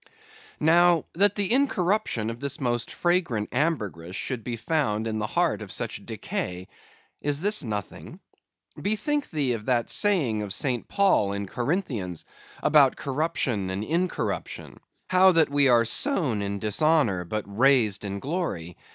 Now that the incorruption of this most fragrant ambergris should be found in the heart of such decay; is this nothing? Bethink thee of that saying of St. Paul in Corinthians, about corruption and incorruption; how that we are sown in dishonor, but raised in glory.